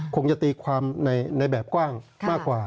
คงจะตีความในแบบกว้างมากกว่า